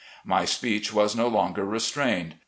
My speech was no longer restrained.